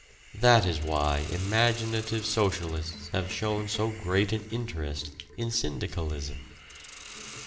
That is why imaginative socialists have shown so great an interest in "syndicalism."